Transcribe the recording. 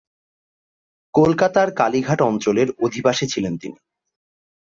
কলকাতার কালীঘাট অঞ্চলের অধিবাসী ছিলেন তিনি।